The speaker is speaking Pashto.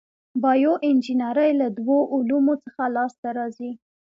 بایو انجنیری له دوو علومو څخه لاس ته راځي.